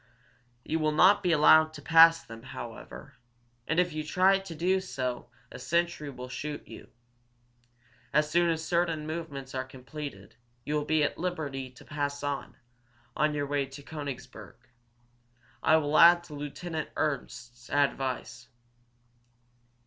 You will not be allowed to pass them, however, and if you try to do so a sentry will shoot you. As soon as certain movements are completed, you will be at liberty to pass on, on your way to Koenigsberg. I will add to Lieutenant Ernst's advice.